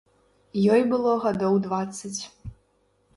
Ёй было гадоў дваццаць.